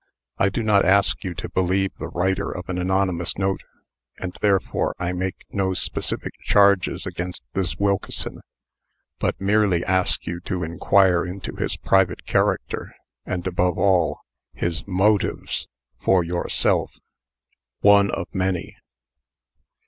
I do not ask you to believe the writer of an anonymous note, and therefore I make no specific charges against this Wilkeson; but merely ask you to inquire into his private character, and, above all, his MOTIVES, for yourself. ONE OF MANY.